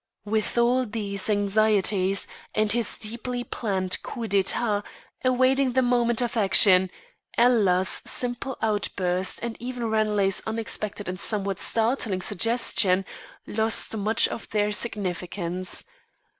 With all these anxieties and his deeply planned coup d'etat awaiting the moment of action, Ella's simple outburst and even Ranelagh's unexpected and somewhat startling suggestion lost much of their significance.